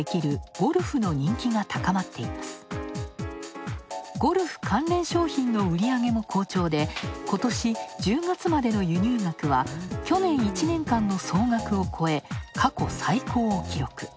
ゴルフ関連商品の売り上げも好調でことし１０月までの輸入額は去年１年間の総額を超え過去最高を記録。